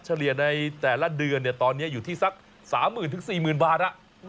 เฉลี่ยในแต่ละเดือนตอนนี้อยู่ที่สัก๓๐๐๐๔๐๐๐บาท